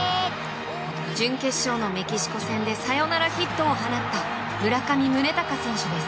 準決勝のメキシコ戦でサヨナラヒットを放った村上宗隆選手です。